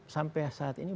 sampai saat ini